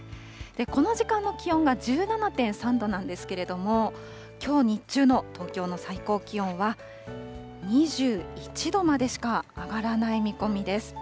この時間の気温が１７．３度なんですけれども、きょう日中の東京の最高気温は、２１度までしか上がらない見込みです。